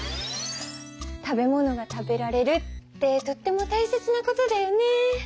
食べ物が食べられるってとっても大切なことだよね。